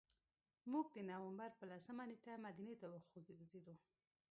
موږ د نوامبر په لسمه نېټه مدینې ته وخوځېدو.